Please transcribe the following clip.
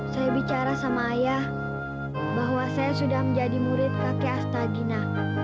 saya bicara sama ayah bahwa saya sudah menjadi murid kakek astagina